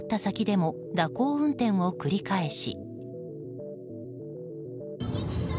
走り去った先でも蛇行運転を繰り返し。